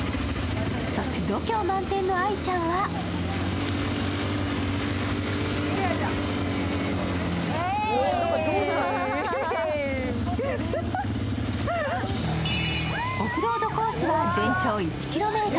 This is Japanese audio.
そして度胸満点の愛ちゃんはオフロードコースは全長１ｋｍ。